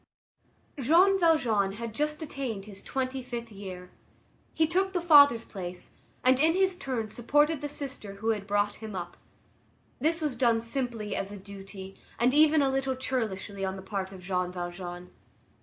Jean Valjean had just attained his twenty fifth year. He took the father's place, and, in his turn, supported the sister who had brought him up. This was done simply as a duty and even a little churlishly on the part of Jean Valjean.